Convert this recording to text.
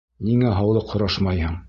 Ниңә һаулыҡ һорашмайһың?